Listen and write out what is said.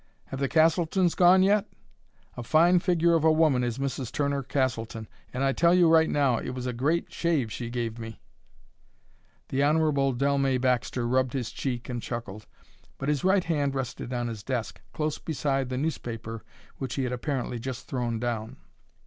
Have the Castletons gone yet? A fine figure of a woman is Mrs. Turner Castleton! And I tell you right now it was a great shave she gave me!" The Honorable Dellmey Baxter rubbed his cheek, and chuckled. But his right hand rested on his desk, close beside the newspaper which he had apparently just thrown down.